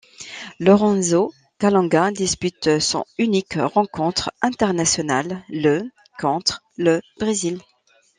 Lorenzo Calonga dispute son unique rencontre internationale le contre le Brésil.